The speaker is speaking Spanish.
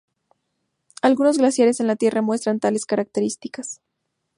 Algunos glaciares en la Tierra muestran tales características.